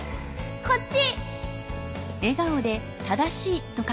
こっち！